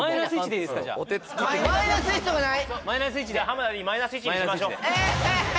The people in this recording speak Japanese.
マイナス１で田Ｄマイナス１にしましょうええ！